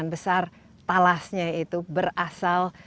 oke kita lihat dulu